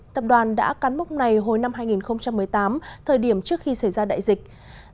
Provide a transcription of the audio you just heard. tập đoàn đã cán mốc này hồi năm hai nghìn một mươi tám thời điểm trước khi xảy ra đại dịch